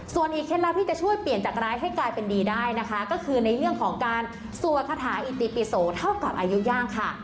ส่วนอีกเคล็ดลับที่จะช่วยเปลี่ยนจากร้ายให้กลายเป็นดีได้นะคะก็คือในเรื่องของการสวดคาถาอิติปิโสเท่ากับอายุย่างค่ะ